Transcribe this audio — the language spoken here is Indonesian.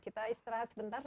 kita istirahat sebentar